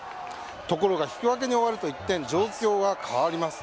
ところが引き分けに終わると一転状況が変わります。